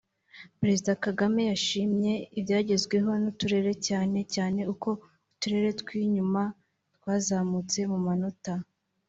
Perezida Kagame yashimye ibyagezweho n’uturere cyane cyane uko uturere tw’inyuma twazamutse mu manota